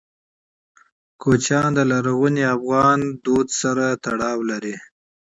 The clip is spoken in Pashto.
کوچیان د لرغوني افغان کلتور سره تړاو لري.